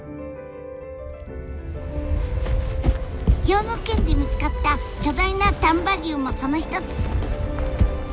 兵庫県で見つかった巨大な丹波竜もその一つ。